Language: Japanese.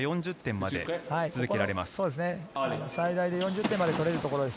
この戦いは４０点まで続けられます。